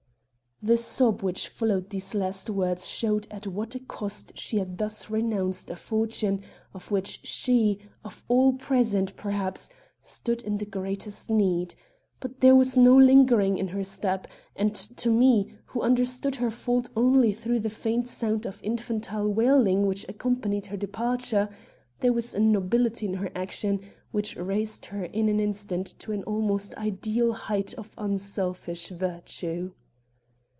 The sob which followed these last words showed at what a cost she thus renounced a fortune of which she, of all present, perhaps, stood in the greatest need; but there was no lingering in her step; and to me, who understood her fault only through the faint sound of infantile wailing which accompanied her departure, there was a nobility in her action which raised her in an instant to an almost ideal height of unselfish virtue.